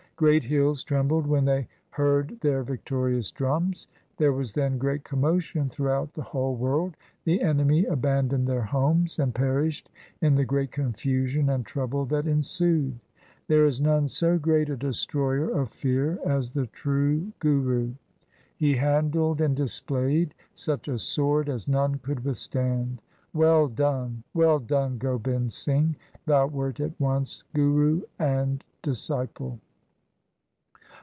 Great hills trembled when they heard their victorious drums. There was then great commotion throughout the whole world ; the enemy abandoned their homes, And perished in the great confusion and trouble that ensued. There is none so great a destroyer of fear as the true Guru. He handled and displayed such a sword as none could withstand. Well done ! well done Gobind Singh ! thou wert at once Guru and disciple